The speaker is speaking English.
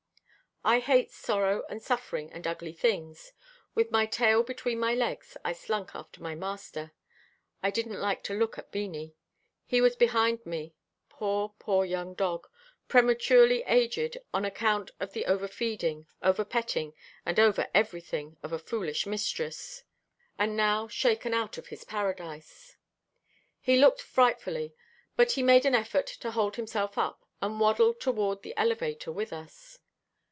I hate sorrow and suffering and ugly things. With my tail between my legs, I slunk after my master. I didn't like to look at Beanie. He was behind me. Poor, poor young dog prematurely aged on account of the over feeding, over petting and the over everything of a foolish mistress, and now shaken out of his paradise. He looked frightfully, but he made an effort to hold himself up, and waddled toward the elevator with us.